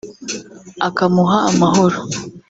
akamuha amahoro